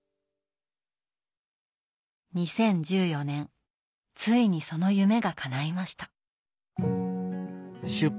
２０１４年ついにその夢がかないました。